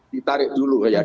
ditarik dulu ya